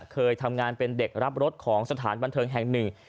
เคยทำงานเป็นเด็กรับรถของสถานบันเทิงแห่งหนึ่ง